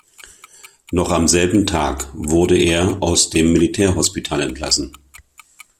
Noch am selben Tag wurde er aus dem Militärhospital entlassen.